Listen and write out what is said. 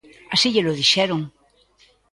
Así llelo dixeron.